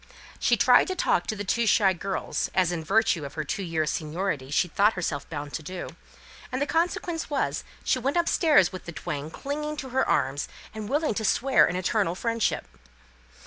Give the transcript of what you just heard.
She tried to talk to the two shy girls, as in virtue of her two years' seniority she thought herself bound to do; and the consequence was, she went upstairs with the twain clinging to her arms, and willing to swear an eternal friendship.